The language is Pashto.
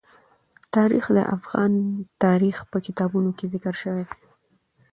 تاریخ د افغان تاریخ په کتابونو کې ذکر شوی دي.